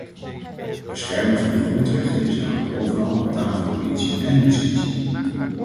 Bescherming van de grondrechten is namelijk bovenal een taak van politie en justitie.